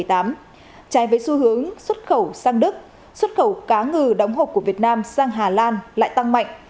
trái với xu hướng xuất khẩu sang đức xuất khẩu cá ngừ đóng hộp của việt nam sang hà lan lại tăng mạnh